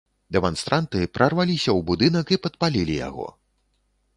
Дэманстранты прарваліся ў будынак і падпалілі яго.